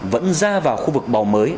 vẫn ra vào khu vực bầu mới